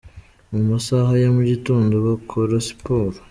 Mu masaha ya mu gitondo bakora siporo.